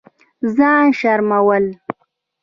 ځان شرمول